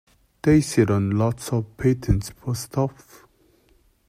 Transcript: They sit on lots of patents for stuff.